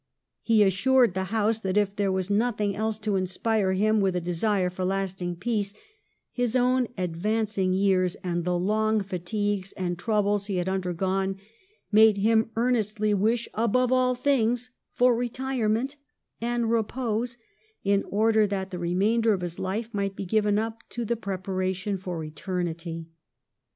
He assured the House that if there were nothing else to inspire him with a desire for a lasting peace, his own advancing years and the long fatigues and troubles he had undergone made him earnestly wish, above all things, for retire ment and repose in order that the remainder of his life might be given up to preparation for eternity.